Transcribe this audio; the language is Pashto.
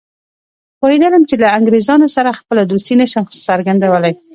پوهېدلم چې له انګریزانو سره خپله دوستي نه شم څرګندولای.